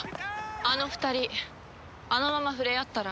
あの２人あのまま触れ合ったら。